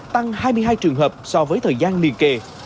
tăng hai mươi hai trường hợp so với thời gian liền kề